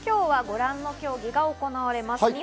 今日はご覧の競技が行われます。